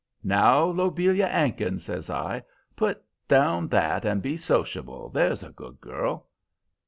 "'Now, Lobelia 'Ankins,' says I, 'put down that and be sociable, there's a good girl.'